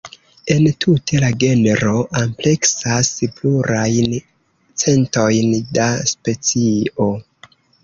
Entute la genro ampleksas plurajn centojn da specioj.